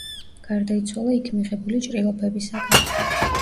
გარდაიცვალა იქ მიღებული ჭრილობებისაგან.